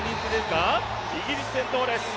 イギリス先頭です。